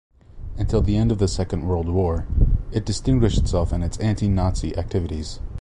Until the end of the Second World War, it distinguished itself in its anti-Nazi activities.